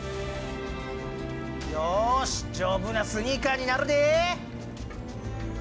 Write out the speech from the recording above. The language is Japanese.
よし丈夫なスニーカーになるで！